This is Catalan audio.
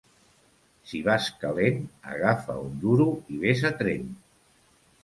Si vas calent, agafa un duro i ves a Tremp.